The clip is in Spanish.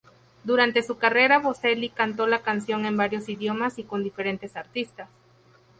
Durante su carrera, Bocelli cantó la canción en varios idiomas y con diferentes artistas.